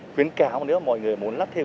khuyến cáo nữa mọi người muốn lắp thêm